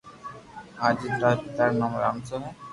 اجيت رآ پيتا رو نوم رامسو ھي